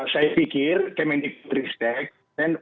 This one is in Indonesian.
saya pikir kementerian ketua ketua ketua